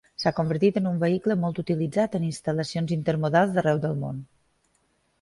S'ha convertit en un vehicle molt utilitzat en instal·lacions intermodals d'arreu del món.